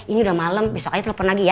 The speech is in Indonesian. ini udah malam besok aja telepon lagi ya